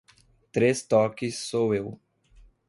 Três toques sou eu.